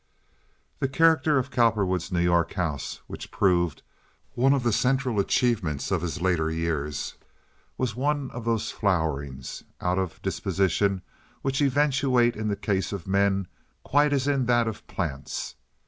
The character of Cowperwood's New York house, which proved one of the central achievements of his later years, was one of those flowerings—out of disposition which eventuate in the case of men quite as in that of plants.